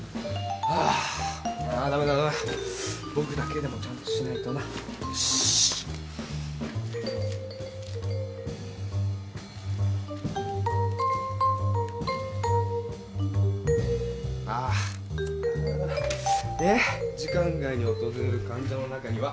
ダメだダメだ僕だけでもちゃんとしないとなあーッ「時間外に訪れる患者の中には」